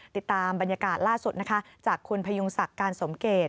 ติดตามบรรยากาศล่าสุดนะคะจากคุณพยุงศักดิ์การสมเกต